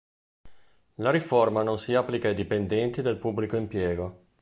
La riforma non si applica ai dipendenti del pubblico impiego.